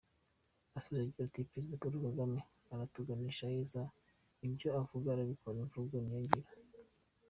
Asoje agira ati “Perezida Paul Kagame aratuganisha heza, ibyo avuze arabikora, imvugo niyo ngiro.